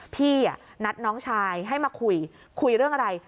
พี่นัดน้องชายให้มาคุยคุยเรื่องอะไร